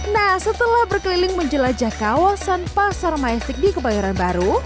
nah setelah berkeliling menjelajah kawasan pasar majestic di kebayoran baru